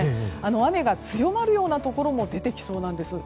雨が強まるようなところも出てきそうなんです。